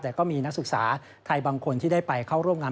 แต่ก็มีนักศึกษาไทยบางคนที่ได้ไปเข้าร่วมงาน